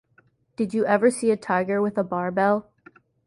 Did you ever see a tiger with a barbell?